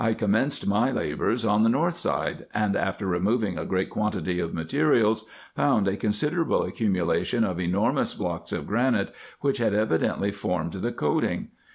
I commenced my labours on the north side, and, after removing a great quantity of materials, found a considerable accumulation of enormous blocks of granite, which had evidently formed the coating.